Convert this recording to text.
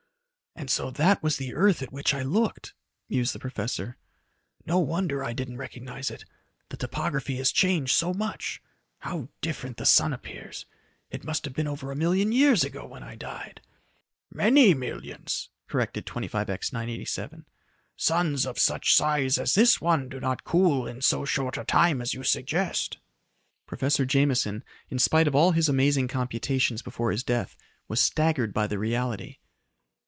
"And so that was the earth at which I looked," mused the professor. "No wonder I didn't recognize it. The topography has changed so much. How different the sun appears it must have been over a million years ago when I died!" "Many millions," corrected 25X 987. "Suns of such size as this one do not cool in so short a time as you suggest." Professor Jameson, in spite of all his amazing computations before his death, was staggered by the reality.